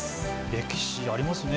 歴史ありますね。